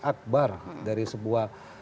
akbar dari sebuah